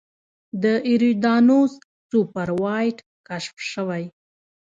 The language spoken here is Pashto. د ایریدانوس سوپر وایډ کشف شوی.